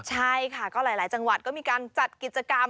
ใช่ค่ะก็หลายจังหวัดก็มีการจัดกิจกรรม